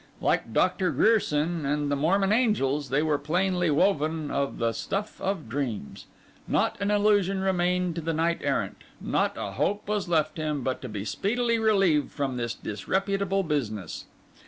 Like Doctor Grierson and the Mormon angels, they were plainly woven of the stuff of dreams. Not an illusion remained to the knight errant; not a hope was left him, but to be speedily relieved from this disreputable business.